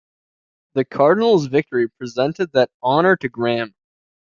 The Cardinals' victory presented that honour to Graham.